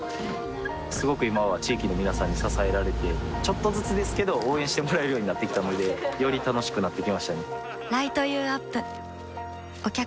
すごく今は地域の皆さんに支えられてちょっとずつですけど応援してもらえるようになってきたのでより楽しくなってきましたね